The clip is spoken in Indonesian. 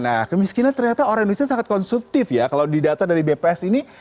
nah kemiskinan ternyata orang indonesia sangat konsumtif ya kalau di data dari bps ini